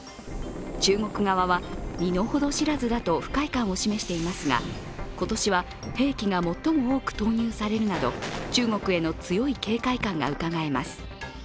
中国側は、身の程知らずだと不快感を示していますが今年は兵器が最も多く投入されるなど中国への強い警戒感がうかがえます。